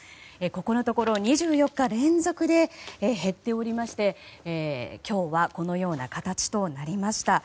ここのところ２４日連続で減っておりまして今日はこのような形となりました。